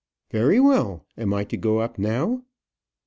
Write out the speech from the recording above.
"Very well. Am I to go up now?"